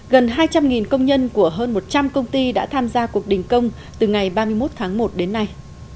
gần hai trăm linh công nhân của hơn một trăm linh công ty đã tham gia cuộc đình công từ ngày ba mươi một tháng một đến nay